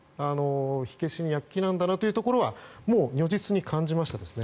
火消しに躍起なんだなというところは如実に感じましたね。